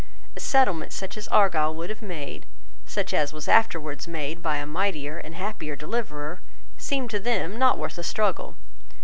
A settlement such as Argyle would have made, such as was afterwards made by a mightier and happier deliverer, seemed to them not worth a struggle.